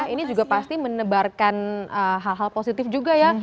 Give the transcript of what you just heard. ini juga pasti menebarkan hal hal positif juga ya